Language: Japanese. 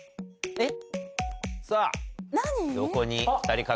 えっ？